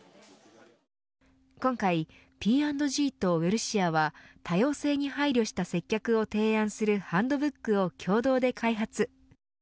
今回、Ｐ＆Ｇとウエルシアは多様性に配慮した接客を提案するハンドブックを共同で開発。